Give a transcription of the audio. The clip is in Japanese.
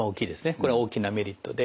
これは大きなメリットで。